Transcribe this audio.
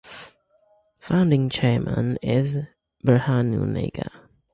Founding chairman is Berhanu Nega.